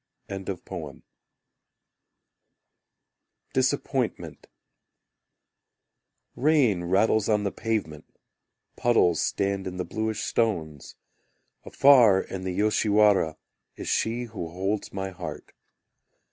Disappointment Rain rattles on the pavement, Puddles stand in the bluish stones; Afar in the Yoshiwara Is she who holds my heart.